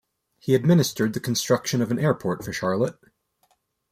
He administered the construction of an airport for Charlotte.